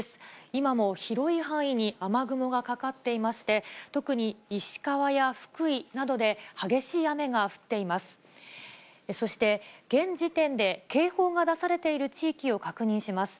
今も広い範囲に雨雲がかかっていまして、特に石川や福井などで、激しい雨が降っています。